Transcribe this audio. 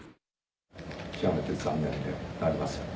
極めて残念でなりません。